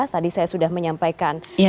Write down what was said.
tadi saya sudah menyampaikan